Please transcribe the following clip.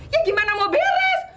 ya gimana mau beres